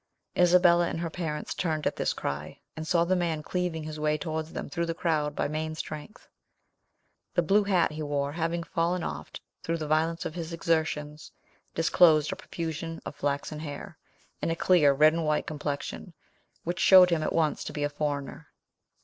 Isabella and her parents turned at this cry, and saw the man cleaving his way towards them through the crowd by main strength. The blue hat he wore having fallen oft through the violence of his exertions, disclosed a profusion of flaxen hair, and a clear red and white complexion, which showed him at once to be a foreigner.